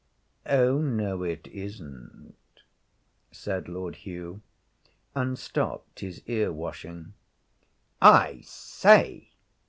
'Oh, no, it isn't,' said Lord Hugh, and stopped his ear washing. 'I say!'